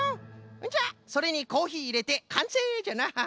じゃあそれにコーヒーいれてかんせいじゃな！